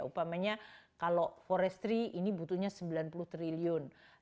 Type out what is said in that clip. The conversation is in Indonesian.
upamanya kalau forestry ini butuhnya sembilan puluh triliun